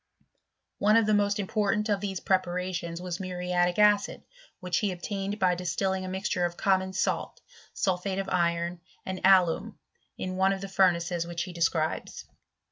One of the most important of these preparations was muriatic acid, which he obtained by distilling a mixture of common salt, sulphate of iron, and alum, in one of the furnaces which he describes.